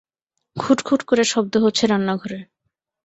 খুটখুট করে শব্দ হচ্ছে রান্না ঘরে।